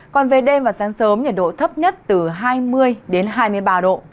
còn về đêm và sáng sớm nhiệt độ thấp nhất từ hai mươi đến hai mươi ba độ